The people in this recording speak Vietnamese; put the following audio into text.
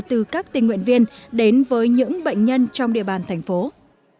từ các tình nguyện viên đến với những bệnh nhân trong địa bàn tp hcm